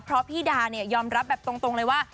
เพราะพี่ดาเนี่ยยอมรับแบบตรงเลยว่า